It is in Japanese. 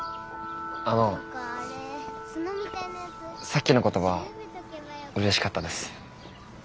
あのさっきの言葉うれしかったです。